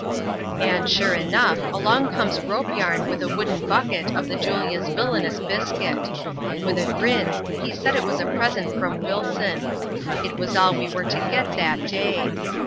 And, sure enough, along comes Rope Tarn with a wooden bucket of the Julia's villanous biscuit. With a grin, he said it was a present from Wilscm ; it was all we were to get that day.